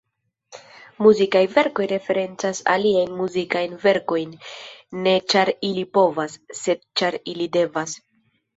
Muzikaj verkoj referencas aliajn muzikajn verkojn, ne ĉar ili povas, sed ĉar ili devas.